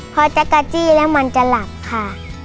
พอจักรจี้แล้วมันจะหลับค่ะ